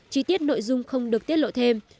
chí tiết nội dung không được tiết lộ thêm